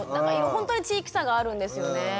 ほんとに地域差があるんですよね。